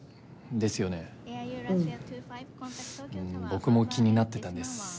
僕も気になってたんです。